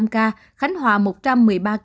khánh hòa một trăm một mươi ba ca